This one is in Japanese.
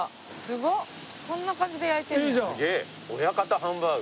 親方ハンバーグ。